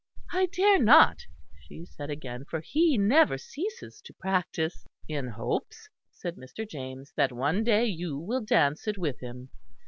"I dare not," she said again, "for he never ceases to practise." "In hopes," said Mr. James, "that one day you will dance it with him."